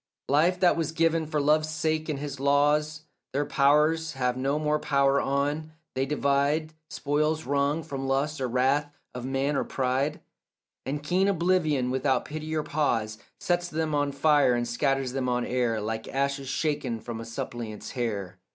Life that was given for love's sake and his law's Their powers have no more power on; they divide Spoils wrung from lust or wrath of man or pride, And keen oblivion without pity or pause Sets them on fire and scatters them on air Like ashes shaken from a suppliant's hair.